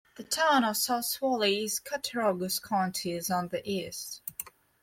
The town of South Valley in Cattaraugus County is on the east.